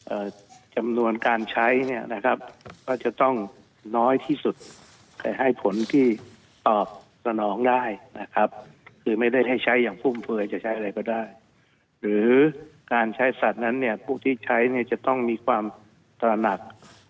เอ่อจำนวนการใช้เนี้ยนะครับว่าจะต้องน้อยที่สุด